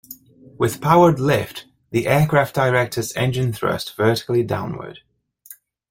With powered lift, the aircraft directs its engine thrust vertically downward.